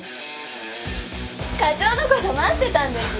課長のこと待ってたんですよ。